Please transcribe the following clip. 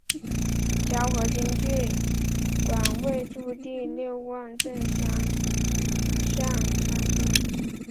胶河经济区管委驻地六汪镇柏乡三村。